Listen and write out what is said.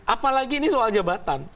apalagi ini soal jabatan